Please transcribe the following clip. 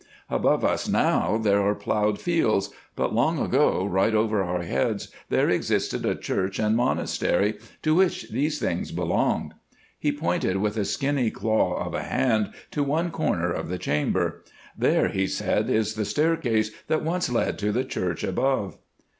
Above us now there are ploughed fields, but long ago right over our heads there existed a church and monastery to which these things belonged.' He pointed with a skinny claw of a hand to one corner of the chamber. 'There,' he said, 'is the staircase that once led to the church above.